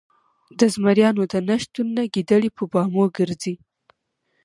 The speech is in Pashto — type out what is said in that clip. ـ زمريانو د نشتون نه ګيدړې په بامو ګرځي